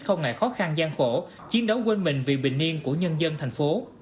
không ngại khó khăn gian khổ chiến đấu quên mình vì bình yên của nhân dân thành phố